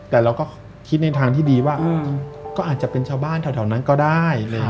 แต่เราก็คิดในทางที่ดีว่าก็อาจจะเป็นชาวบ้านแถวนั้นก็ได้